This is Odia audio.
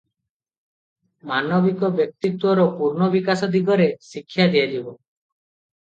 ମାନବିକ ବ୍ୟକ୍ତିତ୍ୱର ପୂର୍ଣ୍ଣ ବିକାଶ ଦିଗରେ ଶିକ୍ଷା ଦିଆଯିବ ।